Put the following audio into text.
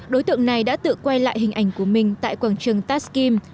đối tượng này đã tự quay lại hình ảnh của mình tại quảng trường taskim